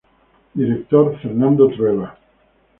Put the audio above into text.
Director: "Fernando Trueba".